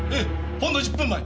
ほんの１０分前。